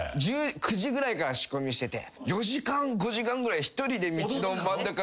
９時ぐらいから仕込みしてて。